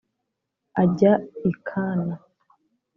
ajya i Kana